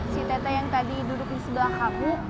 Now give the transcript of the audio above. si tete yang tadi duduk di sebelah kapuk